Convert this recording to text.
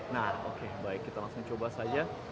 nah oke baik kita langsung coba saja